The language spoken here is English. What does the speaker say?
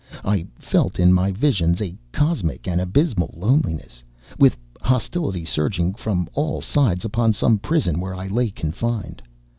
I felt, in my visions, a cosmic and abysmal loneness; with hostility surging from all sides upon some prison where I lay confined.